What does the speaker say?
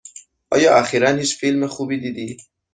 آیا اخیرا هیچ فیلم خوبی دیدی؟